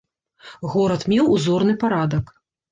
Горад меў узорны парадак.